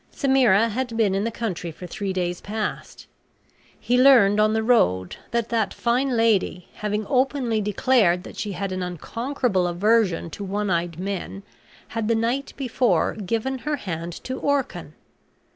Semira had been in the country for three days past. He learned on the road that that fine lady, having openly declared that she had an unconquerable aversion to one eyed men, had the night before given her hand to Orcan.